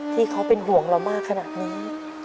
ที่เขาเป็นห่วงเรามากขนาดนี้